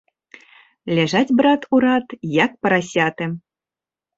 Ляжаць, брат, у рад, як парасяты.